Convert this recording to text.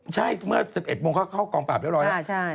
ใช่เมื่อ๑๑โมงเขาเข้ากองปราบเรียบร้อยแล้ว